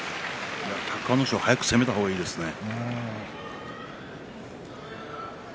隆の勝は早く攻めた方がいいですね。